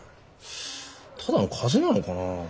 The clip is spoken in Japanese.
ただの風邪なのかな。